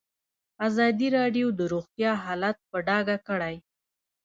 ازادي راډیو د روغتیا حالت په ډاګه کړی.